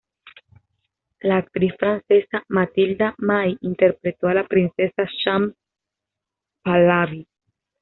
La actriz francesa Mathilda May interpretó a la princesa Shams Pahlaví.